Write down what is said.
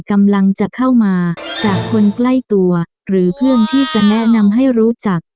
กำลังจะเข้ามาจากคนใกล้ตัวหรือเพื่อนที่จะแนะนำให้รู้จัก